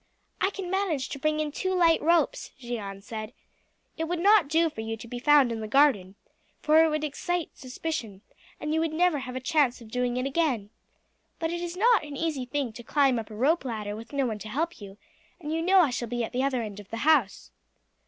"I can manage to bring in two light ropes," Jeanne said. "It would not do for you to be found in the garden, for it would excite suspicion, and you would never have a chance of doing it again. But it is not an easy thing to climb up a rope ladder with no one to help you, and you know I shall be at the other end of the house."